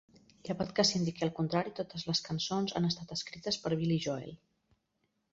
Llevat que s'indiqui el contrari, totes les cançons han estat escrites per Billy Joel.